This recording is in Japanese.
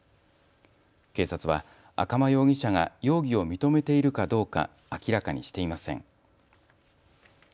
警察は赤間容疑者が容疑を認めているかどうか明らかにしていません。